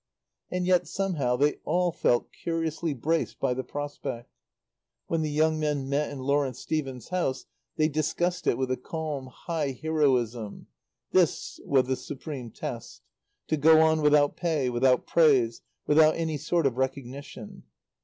And yet somehow they all felt curiously braced by the prospect. When the young men met in Lawrence Stephen's house they discussed it with a calm, high heroism. This was the supreme test: To go on, without pay, without praise, without any sort of recognition.